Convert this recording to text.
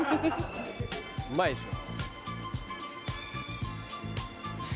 「うまいでしょ」